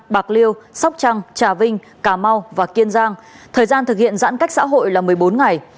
bạc liêu sóc trăng trà vinh cà mau và kiên giang thời gian thực hiện giãn cách xã hội là một mươi bốn ngày